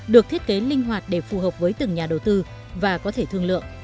được thiết kế linh hoạt để phù hợp với từng nhà đầu tư và có thể thương lượng